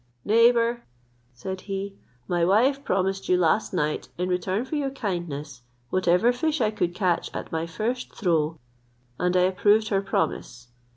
"Neighbour," said he, "my wife promised you last night, in return for your kindness, whatever fish I should catch at my first throw; and I approved her promise.